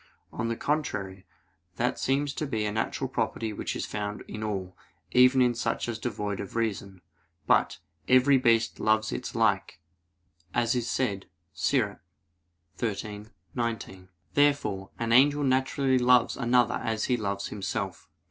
On the contrary, That seems to be a natural property which is found in all, even in such as devoid of reason. But, "every beast loves its like," as is said, Ecclus. 13:19. Therefore an angel naturally loves another as he loves himself.